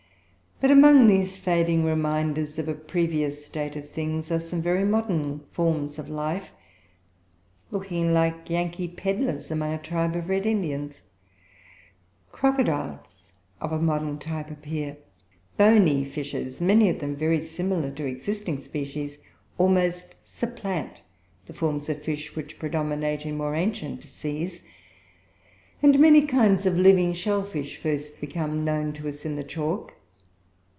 But, amongst these fading remainders of a previous state of things, are some very modern forms of life, looking like Yankee pedlars among a tribe of Red Indians. Crocodiles of modern type appear; bony fishes, many of them very similar to existing species, almost supplant the forms of fish which predominate in more ancient seas; and many kinds of living shell fish first become known to us in the chalk.